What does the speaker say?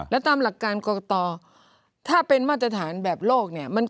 แล้วตามหลักการกรกตถ้าเป็นมาตรฐานแบบโลกเนี่ย